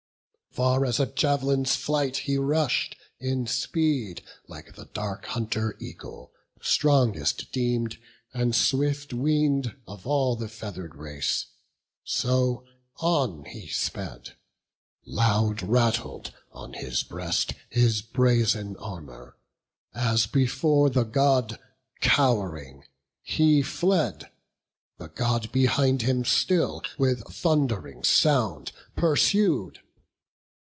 Far as a jav'lin's flight he rush'd, in speed Like the dark hunter eagle, strongest deem'd, And swiftest wing'd of all the feather'd race. So on he sped; loud rattled on his breast His brazen armour, as before the God, Cow'ring, he fled; the God behind him still With thund'ring sound pursued.